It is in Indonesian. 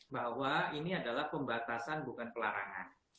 bahwa ini adalah pembatasan bukan pelarangan